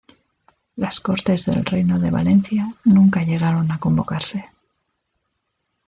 Las Cortes del reino de Valencia nunca llegaron a convocarse.